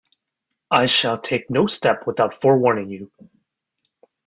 I shall take no step without forewarning you.